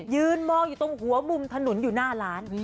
ยืนมองอยู่ตรงหัวมุมถนนอยู่หน้าร้าน